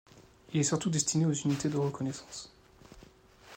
Il est surtout destiné aux unités de reconnaissances.